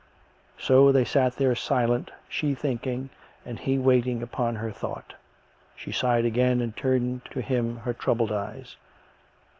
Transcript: So they sat there silent, she thinking and he waiting upon her thought. She sighed again and turned to him her troubled eyes.